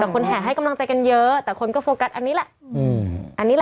แต่คนแห่ให้กำลังใจกันเยอะแต่คนก็โฟกัสอันนี้แหละ